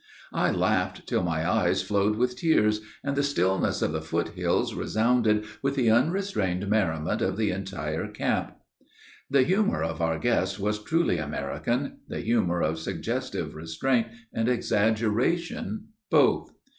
I laughed till my eyes flowed with tears, and the stillness of the foot hills resounded with the unrestrained merriment of the entire camp. The humor of our guest was truly American, the humor of suggestive restraint and exaggeration both.